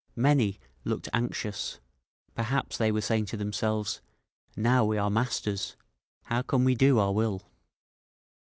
Many looked anxious; perhaps they were saying to themselves, "Now we are masters, how can we do our will?"